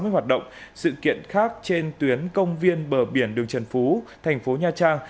các hoạt động sự kiện khác trên tuyến công viên bờ biển đường trần phú thành phố nha trang